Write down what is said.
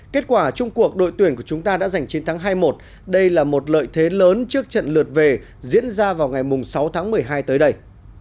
kết quả chung cuộc đội tuyển của chúng ta đã giành chiến thắng hai một đây là một lợi thế lớn trước trận lượt về diễn ra vào ngày sáu tháng một mươi hai tới đây